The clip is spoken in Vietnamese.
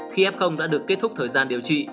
khi f đã được kết thúc thời gian điều trị